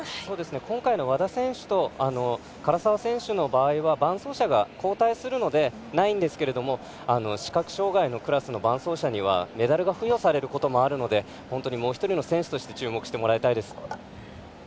今回の和田選手と唐澤選手の場合は伴走者が交代するのでないんですが視覚障がいのクラスの伴走者にはメダルが付与されることもあるのでもう１人の選手として注目してもらいたいです。